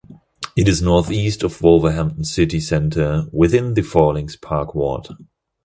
It is north-east of Wolverhampton city centre, within the Fallings Park ward.